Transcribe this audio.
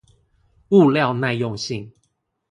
料件耐用性